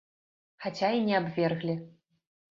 Хаця і не абверглі.